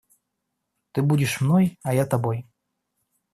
Ты будешь мной, а я тобой.